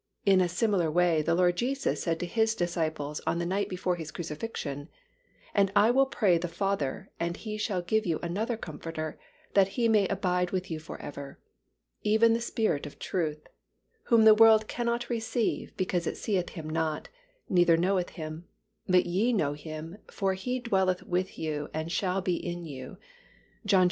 In a similar way, the Lord Jesus said to His disciples on the night before His crucifixion, "And I will pray the Father, and He shall give you another Comforter, that He may abide with you forever; Even the Spirit of truth; whom the world cannot receive, because it seeth Him not, neither knoweth Him: but ye know Him; for He dwelleth with you and shall be in you" (John xiv.